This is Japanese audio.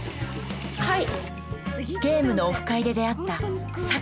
はい。